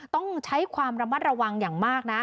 ต้องใช้ความระมัดระวังอย่างมากนะ